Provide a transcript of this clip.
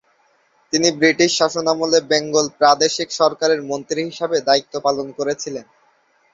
তিনি ব্রিটিশ শাসনামলে বেঙ্গল প্রাদেশিক সরকারের মন্ত্রী হিসেবে দায়িত্ব পালন করেছিলেন।